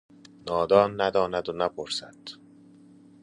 نادان نداند و نپرسد!